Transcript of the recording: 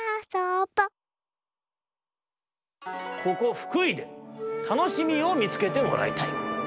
ここ福井でたのしみをみつけてもらいたい。